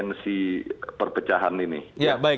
dan sangat berpotensi